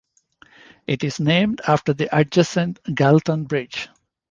It is named after the adjacent Galton Bridge.